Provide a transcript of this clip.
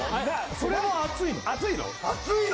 それも熱いの？